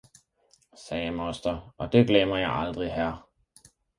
sagde moster, og det glemmer jeg aldrig hr.